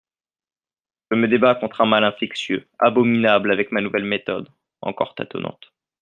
«Je me débats contre un mal infectieux, abominable, avec ma nouvelle méthode, encore tâtonnante.